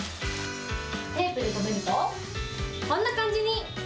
テープで留めると、こんな感じに。